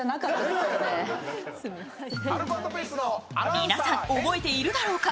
皆さん、覚えているだろうか。